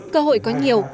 cơ hội có nhiều